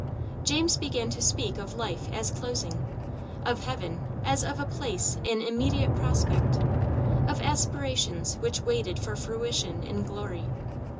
James began to speak of life as closing; of heaven, as of a place in immediate prospect; of aspirations, which waited for fruition in glory.